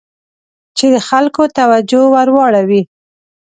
چې د خلکو توجه ور واړوي.